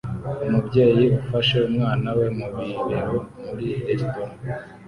Umubyeyi ufashe umwana we mu bibero muri resitora